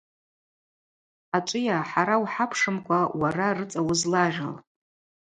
Ачӏвыйа, хӏара ухӏапшымкӏва, уара рыцӏа уызлагъьу?